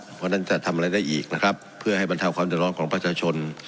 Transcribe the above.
เพราะฉะนั้นจะทำอะไรได้อีกนะครับเพื่อให้บรรเทาความเดือดร้อนของประชาชน